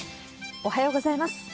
おはようございます。